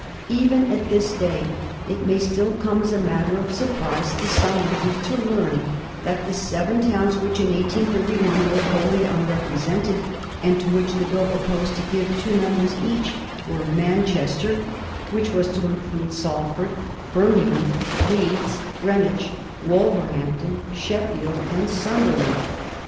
Even at this day it may still come as a matter of surprise to some readers to learn that the seven towns which in 1831 were wholly unrepresented, and to which the Bill proposed to give two members each, were Manchester, which was to include Salford; Birmingham, Leeds, Greenwich, Wolverhampton, Sheffield, and Sunderland.